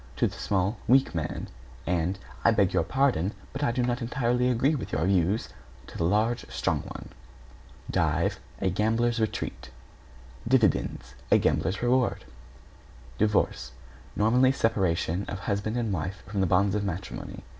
to the small, weak man, and "I beg your pardon, but I do not entirely agree with your views," to the large, strong one. =DIVE= A gambler's retreat. =DIVIDENDS= A gambler's reward. =DIVORCE= Nominally, separation of husband and wife from the bonds of matrimony.